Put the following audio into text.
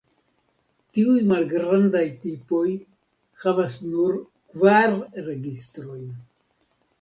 Tiuj malgrandaj tipoj havas nur kvar registrojn.